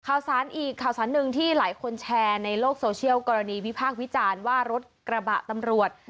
ข่าวสารอีกข่าวสารหนึ่งที่หลายคนแชร์ในโลกโซเชียลกรณีวิพากษ์วิจารณ์ว่ารถกระบะตำรวจ